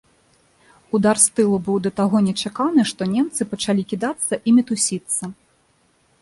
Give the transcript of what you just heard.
Удар з тылу быў да таго нечаканы, што немцы пачалі кідацца і мітусіцца.